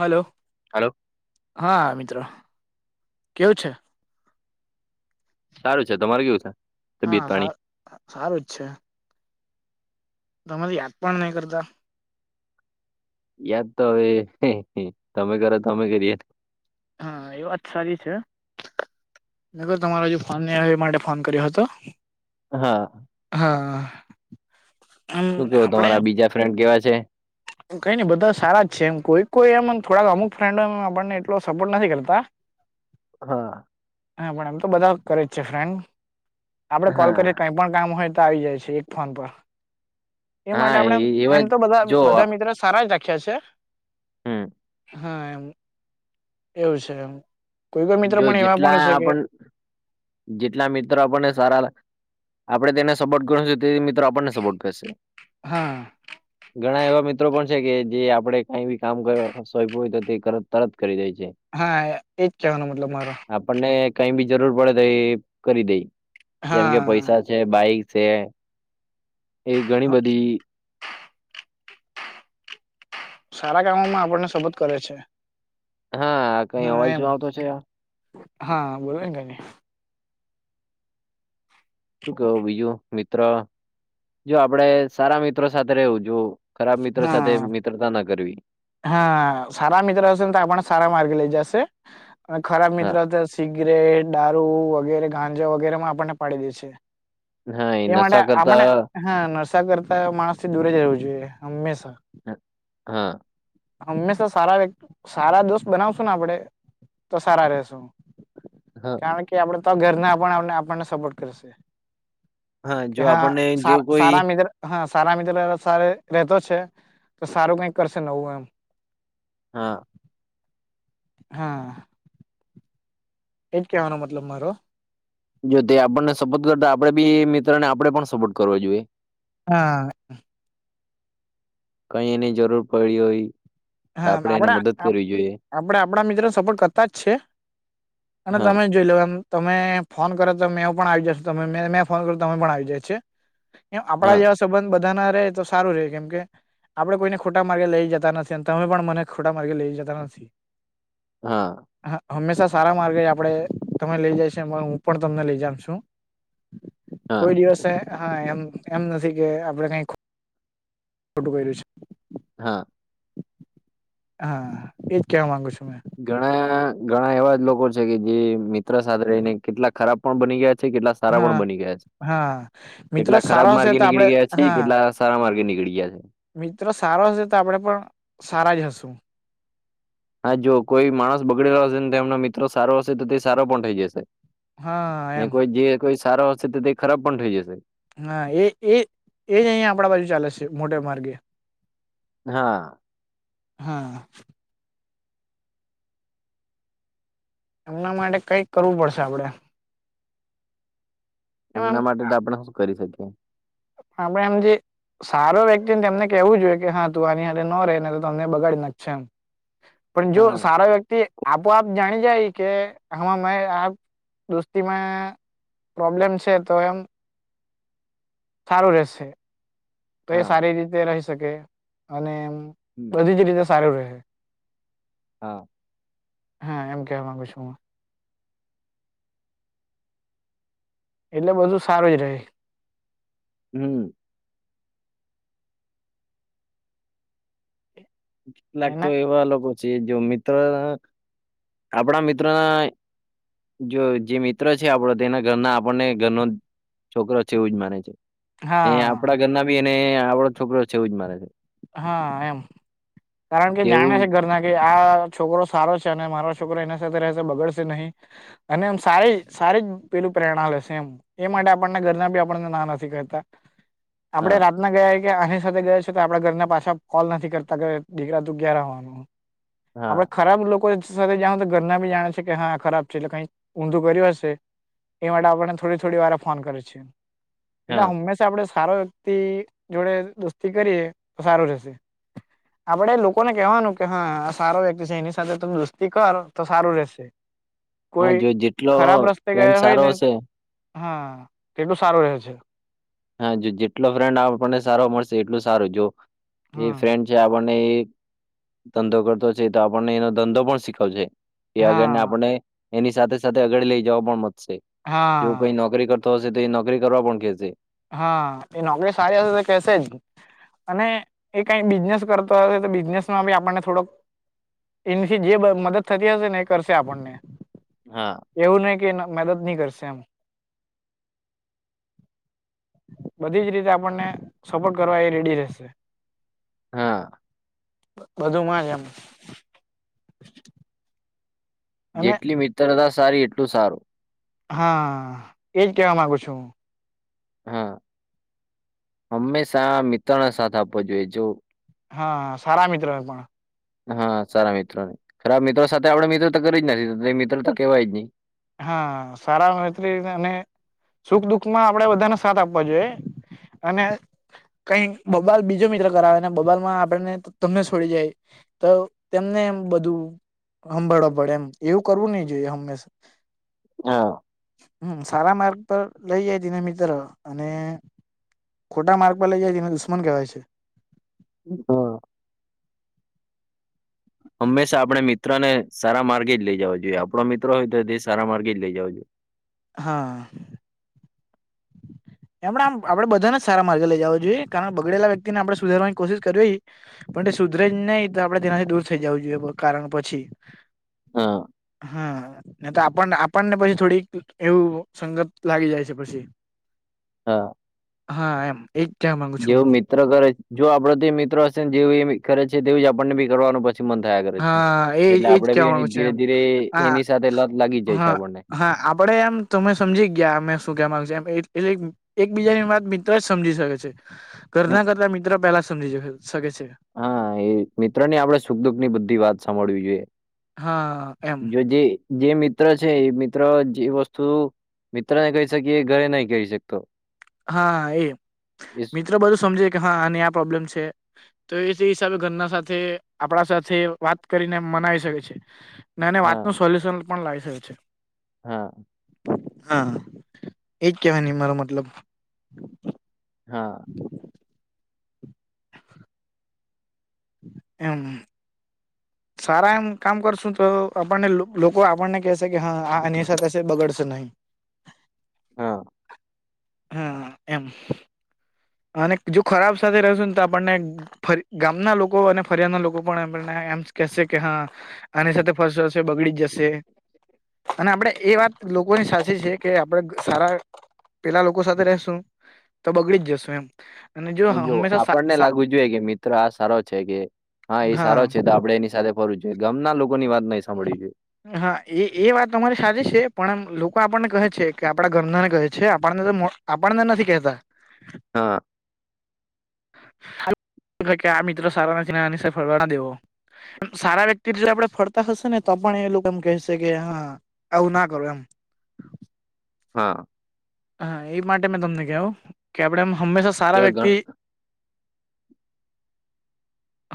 Hello હાલો હા મિત્રો કેવું છે. સારું છે તમાર કેવું છે તબીત હા સા પાણી સારું જ છે. તને યાદ પણ નહી કરતા યાદ તો હવે તમે કરો તમે કરી હા એ વાત સારી છે. મેર તમારો જો ફોન નહીં આવ એ માટે ફોન કર્યો હતો. હા હા એમ શું કેવો આપડે તમારા બીજા ફ્રેન્ડ કેવા છે. કઈ નઈ બધા સારા જ છે એમ કોઈ કોઈ એમ થોડા અમુક ફ્રેન્ડમ આપણને એટલો સપોર્ટ નથી કરતા [inaudible] હા હા પણ એમ તો બધા કરે જ છે, ફ્રેન્ડ આપડે કોલ હા કરી કઈ પણ કામ હોય તો આવી જાય છે, એક ફોન પર એ માટે હા આપણે એમ એવા જ તો બધા જો બધા સારા જ જાખી છે. હમ હા એમ એવું છે, એમ કોઈ કોઈ મિત્ર જો પણ એવા જેટલા પણ છે, કે આપણ જેટલા મિત્રો આપણને સારા આપડે તેને સપોર્ટ કરુ છુ. તે મિત્ર આપણને સપોર્ટ કરશે હા ઘણા એવા મિત્રો પણ છે, કે જે આપડણે કઈ બી કામ સોપ્યું હોય તો તે તરત કરી દે છે. હા એજ કવાનો મતલબ મારો આપણને કઈ બી જરૂર પડે તો એ કરી દે જેમ કે હા પૈસા છે બાઈક છે એ ઘણી બધી સારા કામોમાં આપણને શબત કરે છે. હા કઈ હા અવાજ એમ શું આવતો છે? હા બોલો ક શું કેવો બીજુ મિત્ર જો આપડે સારા મિત્રો સાથે રહેવું જો ખરાબ મિત્ર સાથે હા મિત્રતા ના કરવી હા સારા મિત્ર હશેને તો આપણ સારા માર્ગ લઈ જશે અને ખરાબ હા, મિત્ર હતા સિગરેટ દારૂ વગેરે ગાંજા વગેરેમા આપણને પાડી દે છે. હા એ માટે નશા આપણે કરતા હા નરશા કરતા માણસથી દૂરે જવું જોઈએ હંમેશા હ હા હંમેશા સારા વ સારા દોસ્ત બનાવશું ને આપણેે તો સારા રશુ હા કારણ કે આપડે તો ઘરના આપણને સપોર્ટ કરશે કે જો હા આપણને જો કોઈ સારા મિત્ર હા સારા મિત્ર સ રતો છે, તો સારુ કઈક કરશે નવુ એમ હા હા એજ કેવાનો મતલબ મારો જો તે આપણને સપોર્ટ કરતા આપડે બી મિત્ર ને આપડે પણ સપોર્ટ કરવો જોઈએ. હા કઈ એની જરૂર પડી હોય. તો હા આપડે એને આપણે મદદ કરવી જોઈએ. આપડે આપણા મિત્રો સપોર્ટ કરતા જ છે. અને હા, તમે જોઈ લ લો એમ. તમે ફોન કરો તો મે પણ આવી જશ તમે મેં ફોન કર્યો તમે પણ આવી જાય છે. એમ આપણા હા, જેવા સંબંધ બધા ના રહે તો સારું ર કેમ કે આપડે કોઈને ખોટા માર્ગે લઈ જતા નથી. ત તમે પણ મને ખોટા માર્ગે લઈ જતા સવ હશે. હા. હ હંમેશા સારા માર્ગે આપડે તમે લઈ જાય છે હું પણ તમને લઈ જમ છું. હા, કોઈ દિવસે હે. હા એમ એમ નથી કે આપડે કઈ ખોટું કર્યું છે. હા. હા એજ કેવા માંગુ છુ મેં. ઘણા ઘણા એવા જ લોકો છે કે જે મિત્ર સાથે રહીને કેટલા ખરાબ પણ બની ગયા છે કેટલા સારા હા પણ બની ગયા છે હા મિત્ર કેટલા ખરાબ સારો હશે માર્ગે તો આપડે નીકળી ગયા છે કેટલા સારા માર્ગે નીકળીયા છે. મિત્રો સારો હશે તો આપણે પણ સારા જ હશું. હા જો કોઈ માણસ બગડેલો હશે ને તો તેમનો મિત્રો સારો હશે તો તે સારો પણ થઈ જશે. હા ને એમ કોઈ જે કોઈ સારા હશે તો તે ખરાબ પણ થઈ જશે. હા એ એ એ જ અહીિયાં આપડા બાજુ ચાલે છે મોટેા માર્ગે. હા. હા. એમના માટે કઈક કરવું પડશે આપડે. એમ એમના એમ માટે તો આપણે શું કરી શકીએ. હા પણ એમ જે. સારો વ્યક્તિને તેમને કેહેવું જોઈએ કે હા તું આની સાથે ન રે ને તો તમને બગાડી નાખશે એમ. પણ જો હા સારો વ્યક્તિ. આપોઆ જાણી જાય કે હમાં મે આ દોસ્તીમાં. પ્રોબ્લેમ છે એ તો વયમ. સારું રહેશે તો એ હા સારી રીતે રહી શકે અને એમ હમ બધી જ રીતે સારું રહે. હા. હે એમ કે હમાં બુછુંમાં. એટલે બધું સારું જ રહે. હમ. એને લાગતો એવા લોકો છે જો મિત્ર આપણા મિત્રો ના જો જે મિત્ર છે આપડો તેના ઘરના આપણને ઘરનો. છોકરો છે એવું જ માને છે એ હા આપણા ઘરના બી અનેને આપડો છોકરો છે એવું જ માને છે. હા એમ કારણ કે જાણે તેવું છે ઘર ના કે આ છોકરો સારો છે અને મારો છોકરો એના સાથે રહેશે બગડશે નહીં. અને એમ સારી સારી જ પેલું પ્રેરણા લેશે એમ. એ માટે આપણના ઘરના બી આપણને ના નથી કરતા. આપડે હા રાતના ગયા કે અહીં સાથે ગયા છી. આપ ઘરના પાછા કોલ નથી કરતા કે દીકરા તું ગાર હોવાનું હા આપડે. ખરાબ લોકો સાથે જાાવ તો ઘરના બી જાણે છે કે હા ખરાબ છે એટલે કઈ ઊંધું કર્યું હશે. એ માટે આપણને થોડી થોડી વાર ફોન કરે છે. એટલે હા હંમેશા આપડે સારો વ્યક્તિ જોડે દોસ્તી કરીએ, તો સારું જશે. આપડે લોકોને કેવાનું કે, હા આ સારો વ્યક્તિ છે એની સાથે ત દોસ્તી કર, તો સારું રશે. હા કોઈ જો જેટલો ખરાબ રસ્તે ફ્રેન્ડ ગયા હોય સારો ને? હશે હા! તે તો સારું રહે છે. હા! જો જેટલો ફ્રેન્ડ આપણને સારો મળશે. એટલું સારું જો એ હમ ફ્રેન્ડ. જે આપણને એ ધંધો કરતો છે. તો આપણને એનો ધંધો પણ શીખવશે. એ અગળને હા આપણે એની સાથે સાથે આગળ લઈ જવા પણ મશે. જો હા કઈ નોકરી કર. તો સધી નૌકરી કરવા પણ કેસે હા એ નોકરી સારી હશે તો કેશે જ. અને એ કઈ બિઝનેસ કરતો હશે તો, બિઝનેસ માં બી આપણને થોડોક. એનીથી જે મદદ થતી હશે ને એ કરશે આપણને. હા! એવું નહી કે મદદ નહી કરશે એમ. બધી જ રીતે આપણને સપોર્ટ કરવા એ રેડી રહેશે. હા! બધું માં એમ. અને જેટલી મિત્રતા સારી એટલું સારું. હા! એજ કેવા માંગુ છું. હા! હંમેશા મિત્ર નો સાથ આપવો જોઈએ જો. હા! સારા મિત્ર પણ હા! સારા મિત્રો ને ખરાબ મિત્રો સાથે આપડ મિત્રો તો કરી જ નથી. મિત્ર તો કેવાય જ નહી. હા! સારા મૈત્રી અને. સુખ દુખ માં આપણેે બધાને સાથ આપવા જોઈએ. અને કઈ બબલ બીજો મિત્ર કરાવે. બબાલમાં આપને તમને છોડી જાય તો તેમને એમ બધું. પડે હંભળવા એવું પડે કરવું એમ એવું કરવું નહી જોઈએ હંમેશા. હા હમ્મ સારા માર્ગ પર લઈ જાય તને મિત્ર અને. ખોટા માર્ગ પર લઇ જાય તેને દુશ્મન કહેવાય છે. હા! હંમેશા આપડણે મિત્ર ને સારા માર્ગે જ લઇ જવાો જોઈએ. આપડો મિત્ર હોય તો તે સારા માર્ગે જ લઇ જવા જોઈએ. હા! એમણે આમ આપણે બધાને જ સારા માર્ગ લઈ જવા જોઈએ. કારણ બગડેલા વ્યક્તિને આપણેે સુધારવાની કોશિશ કરવી હો. પણ તે સુધરેજ સુધરે જ નહી તો આપડે તેનાથી દૂર થઈ જવું જોઈએ કારણ પછી. હા! હા! તો આપણ આપણને પછી, થોડીક એવું સંગત લાગી જાય છે પછી. હા! હા! એમ એક. જેવું મિત્ર કરે છે. જો આપડો તો મિત્રો હશે ને જેવું એ કરે છે. તેું જ આપણને બી કરવાનું પ. મન થયા કરે છે હા એ એટલે એજ આપડે બી કેવા માંગુ એ છું ધીરે એમ ધીરે હા એની સાથે લાગી જાય છે હા આપણને હા આપડે એમ તમે સમજી ગયા અમે શું કે માંગુ છે. એકબીજાની વાત મિત્ર જ સમજી શકે છે. ઘરના કરતા મિત્ર પહેલા સમજી શકે છે. હા! એ મિત્ર ની આપડે સુખ દુખ ની બુધી વાત સાંભળવી જોઈએ. હા એમ જો જે જે, મિત્ર છે એ મિત્ર જે વસ્તુ. મિત્રને કહે છે. કે એ ઘરે નહી કહી શકતો. હા! એ એ મિત્રો બધું સમજે કે. હા આને આ પ્રોબ્લેમ છે. તો એ તે હિસાબે ઘરના સાથે આપડા સાથે વાત કરીને મનાવી શકે છે. વાત નો હા સોલ્યુશન પણ લાવી શકે છે. હા! હા! એજ કેવા નો મારો મતલબ. હા [inaudible] એમ સારા એમ કામ કરશું તો આપણને લોકો આપણને કેહેશે કે હ અની સાથે હશે બગડશે નહી હા હા એમ અને જો ખરાબ સાથે રહેશું ને તો આપણને ગામના લોકો અને ફરિયાના લોકો પણ એમ એમ કેશે કે હા આની સાથે ફરસ વશે બગડી જ જશે. અને આપણેે એ વાત લોકોની સાચી છે, કે આપડ સારા પેલા લોકો સાથે રશું તો બગડી જ જશુ એમ અને જો હંમેશા સા આપણને સા લાગવું જોઈએ કે મિત્ર આ સારો છે કે હા એ સારો છે, તો આપડે એની સાથે ફરું છે, ગામના લોકો ની વાત નઈં સાંભળી છે. હા એ એ વાત અમારી સચ છે પણ લોકો આપણને કહે છે, કે આપડા ગરના ને કહે છે આપણને તો આપણ ને નથી કહેતા હા આ મિત્રો સારા નથી ફરવા ના દેવો સારા વ્યક્તિ જો આપડે ફરતા હશે, ને તો પણ એ લોકો એમ કહેશે કે હા આવું ના કરો એમ હા હા એ માટે મેં તમને કહું કે આપડેમ હંમેશા સારા એવા ઘ વ્યક્તિ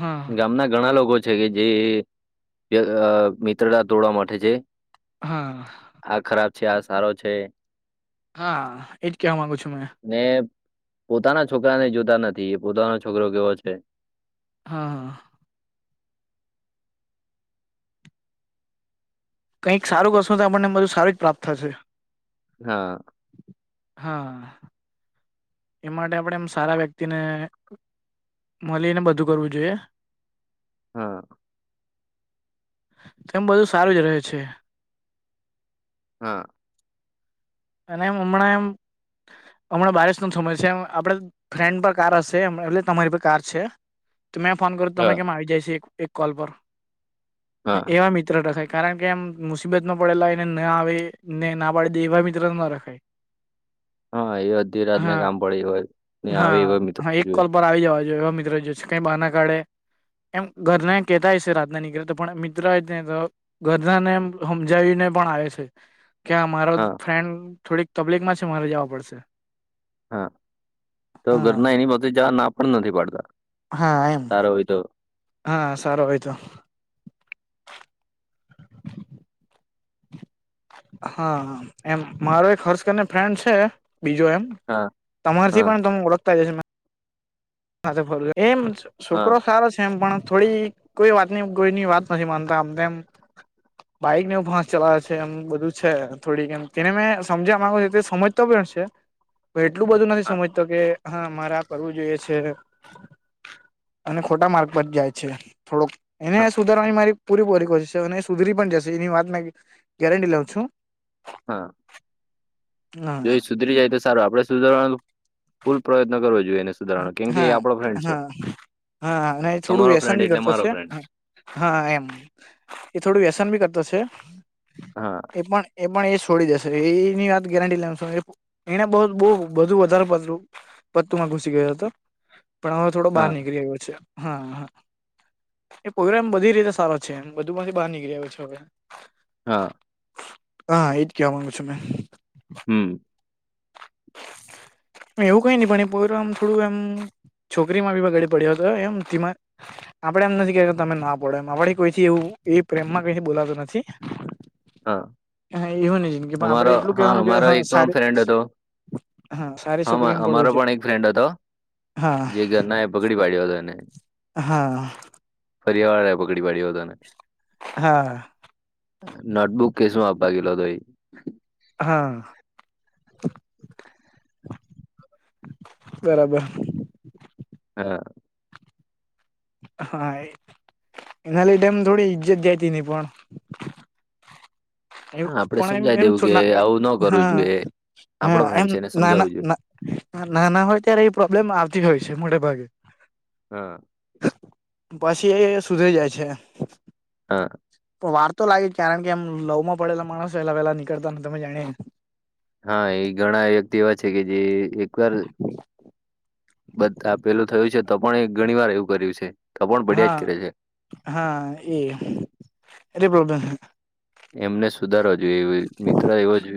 હા ગામના ઘણા લોકો છે કે જે મિત્રતા તોડવા માટે છે. હા આ ખરાબ છે આ સારો છે. હા એજ કવા માંગુ છુ, મે ને પોતાના છોકરા ને જોતા નથી એ પોતાનો છોકરો કેવો છે. હા હા કંઈક સારું કશું તો આપણને બધું સારું જ પ્રાપ્ત થશે. હા. હા એ માટે આપણે એમ સારા વ્યક્તિને મળીને બધું કરવું જોઈએ. હા તેમ બધું સારુ જ રહે છે. હા અને એમ હમણાં એમ હમણાં બારિશનોો સમય છે, એમ આપડ ફ્રેન્ડ પર કાર હશે એટલે તમારી પર કાર છે. તો મેં ફોન કર્યો તમે હા કેમ આવી જાયશે એક કોલ પર હા એવા મિત્ર રાય કારણ કે એમ મુસીબત માં પડેલા એને ના આવે ને ના પાડી દેવાી ના રાખાય હા એ અડધી રાતને હા કામ પડી હોય ને હા આવે એવા મિત્ર હા એક જોએ કોલ પર આવી જવા જોએ એવા મિત્ર કઈ બહાર ના કાઢે એમ ઘરને કેહેતાય છે, રાતના નીકળ તો પણ મિત્રો ગરધાને એ સમજાવીને પણ આવે છે. કે્યા મારો હા ફ્રેન્ડ થોડીક તબલીક માં છે, મારે જવા પડશે હા, તો હા ઘરના એની પાતે જા ના પણ નથી પાડતા હા એમ સારો હોય તો હા સારો હોય, તો હા એમ મારો એક હર્ષકને ફ્રેન્ડ છે, બીજો એમ હા તમારથી હા પણ તમ ઓળખતા જશે. હા તો ભો એમ હા છોકરો સારો છે, એમ પણ થોડી કોઈ વાત નની કોઈની વાત નથી માનતા આમનેમ બાઈક ને એવું ફાાસ ચલાવે છે એમ બધું છે થોડીક એમ તેને મેં સમજ્યા માંગુ છે તે સમજતો પણ છે. એટલું બધું નથી હા સમજતો કે હા મારે આ કરવું જોઈએ છે. અને ખોટા માર્ગ પર જાય છે થોડોક એને હા સુધારવાની મારી પૂરી પૂરી કરશે અને સુધરી પણ જશે એની વાતમાં ગેરંટી લઉ છુ. હા જો સુધરી જાય તો સારુ આપડે સુધરવાનો ફૂલ પ્રયત્ન કરવો જોઈએને હા હા હા અને એ થોડું તમારો ફ્રેન્ડ વ્યસનભી એટલે કરતો મારો છે. ફ્રેન્ડ હા એમ, એ થોડું વ્યસન ભી કરતો છે. હા એ પણ, એ પણ એ છોડી દેશે, એની વાત ગેરંટી લ્યો છો, એ એને બ બહુ બધુ વધારે પતરું પતુંમાં ઘૂસ સી ગયો તો, પણ હવે થોડો બહાર હા નીકળી આવ્યો છે, હા હ એ પોયરા એમ બધી રીતે સારો છે, એમ બધુ માંથી બહાર નીકળ આવ્યો છે હવે. હા હા, એજ કેવા માંગુ છું મેં. હમ્મ [inaudible] ને એવું કઈ નહી, પણ એ પોયરો આમ થોડું એમ, છોકરીમાં બી બગાડી પડ્યો તો એમ, ધીમા આપડે એમ નથી કેતા તમે ના પડે એમ, વળી કોઈથી એવું, એ પ્રેમમાં કઈથી બોલાતુ નથી. હા હા, એહોની જિંદગી, પણ આપડે અમારો એટલું કેવાનું કે હા સારી હા સારી હમા, છોકરીમાં પડવું અમારો છે પણ એક ફ્રેન્ડ હતો, હા જે ઘરના એ પકડી પાડ્યો તો એને. હા ફરીયા વાળા એ પકડી પાડ્યો તો એને. હા નોટબુક કે શું અપવા ગેલો તો ઈ. હા, બરાબર. હા હા એ, એના લીડેમ થોડી ઈજ્જત જતી નહી પણ આયુ હા આપડે પણ એમ સમજાવી એમ દેવું છો કે ના એ આવું ન કરવું હા જોઈએ હ આપડો એમ ફ્રેન્ડ છે એને ના ના સમજાવવું જોઈએ ના નાના હોય ત્યારે એ પ્રોબ્લેમ આવતી હોય છે, મોટે ભાગે. હા પાછી એ સુધરી જાય છે. હા પર વારતો લાગેજ, કારણકે એમ લવમાં પડેલા માણસો એલા વેલા નીકળતા ન તમે જાણીએ ને. હા એ ઘણા વ્યક્તિ એવા છે, કે જે એકવાર બધા પેલું થયું છે, તો પણ એ ઘણી વાર એવું કર્યું છે, તો પણ પડ્યા જ હા કરે છે. હા એ, અરે બાબા. એમને સુધારવા જોઈએ, મિત્ર એવો જોઈએ.